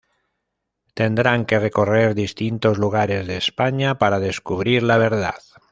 Tendrán que recorrer distintos lugares de España para descubrir la verdad.